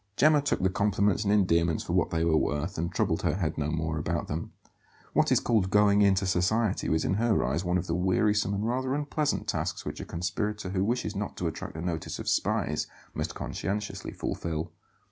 Gemma took the compliments and endearments for what they were worth, and troubled her head no more about them. What is called "going into society" was in her eyes one of the wearisome and rather unpleasant tasks which a conspirator who wishes not to attract the notice of spies must conscientiously fulfil.